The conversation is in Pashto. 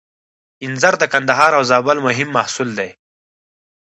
انځر د کندهار او زابل مهم محصول دی.